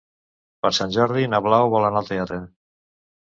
Per Sant Jordi na Blau vol anar al teatre.